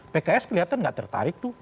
pks kelihatan nggak tertarik tuh